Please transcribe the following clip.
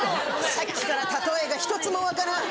さっきから例えが１つも分からない。